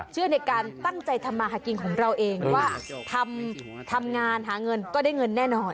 เชื่อในการตั้งใจธรรมาฮกิงของเราเองว่าทำทำงานหาเงินก็ได้เงินแน่นอน